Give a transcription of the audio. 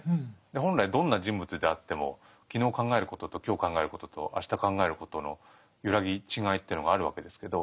で本来どんな人物であっても昨日考えることと今日考えることと明日考えることの揺らぎ違いっていうのがあるわけですけど。